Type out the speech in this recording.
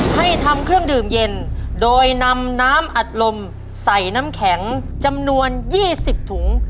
ให้ทำเครื่องดื่มเย็นโดยนำน้ำอัดลมใส่น้ำแข็งจำนวน๒๐ถุง